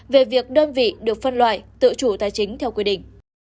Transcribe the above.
về việc đơn vị được phân loại tự chủ tài chính theo quy định